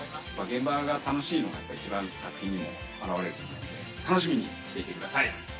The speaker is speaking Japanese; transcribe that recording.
現場が楽しいのがやっぱり一番作品にも表れると思うんで、楽しみにしていてください。